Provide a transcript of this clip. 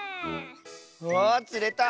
わつれた！